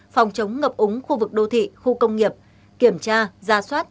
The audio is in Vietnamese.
phòng chống ngập úng khu vực đô thị khu công nghiệp kiểm tra ra soát